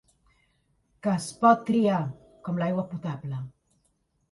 Que es pot triar, com l'aigua potable.